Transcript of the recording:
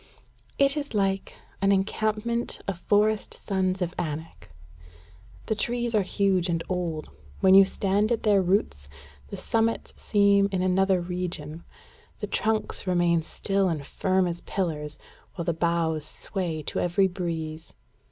"It is like an encampment of forest sons of Anak. The trees are huge and old. When you stand at their roots, the summits seem in another region: the trunks remain still and firm as pillars, while the boughs sway to every breeze.